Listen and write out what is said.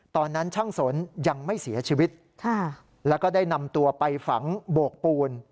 ตอนนั้นช่างสนยังไม่เสียชีวิตแล้วก็ได้นำตัวไปฝังโบกปูน